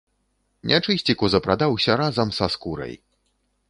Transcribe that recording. Нячысціку запрадаўся разам са скурай.